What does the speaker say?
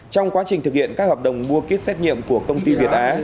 trong quá trình thực hiện các hợp đồng mua ký kết xét nghiệm của công ty việt á